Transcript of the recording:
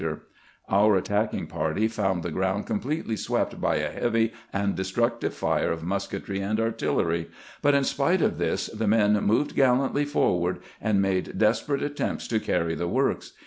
Our attacking GRANT AND THE DYING SOLDIER 123 party found the ground completely swept by a heavy and destructive fire of musketry and artillery, but in spite of this the men moved gallantly forward and made desperate attempts to carry the works.